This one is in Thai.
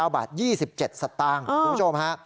๙บาท๒๗สตางค์คุณผู้ชมฮะ